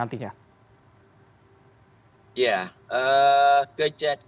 bagaimana cara anda membuatnya lebih aman di pondok pesantren nantinya